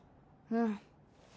うん。